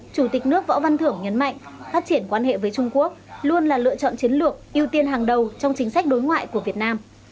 chủ tịch nước võ văn thưởng nhấn mạnh phát triển quan hệ với trung quốc luôn là lựa chọn chiến lược ưu tiên hàng đầu trong chính sách đối ngoại của việt nam